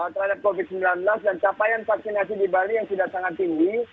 terhadap covid sembilan belas dan capaian vaksinasi di bali yang sudah sangat tinggi